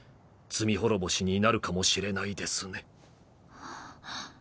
罪滅ぼしになるかもしれないですね。